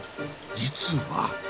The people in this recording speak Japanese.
実は。